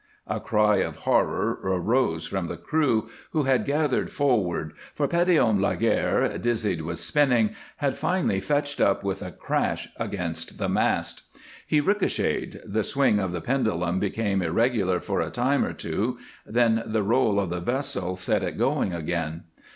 A cry of horror arose from the crew who had gathered forward, for Petithomme Laguerre, dizzied with spinning, had finally fetched up with a crash against the mast. He ricocheted, the swing of the pendulum became irregular for a time or two, then the roll of the vessel set it going again.